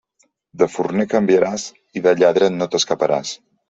De forner canviaràs, i de lladre no t'escaparàs.